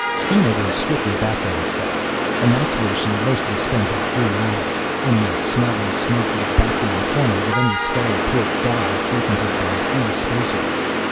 Steena was strictly background stuff and that is where she mostly spent her free hours in the smelly smoky background corners of any stellar port dive frequented by free spacers.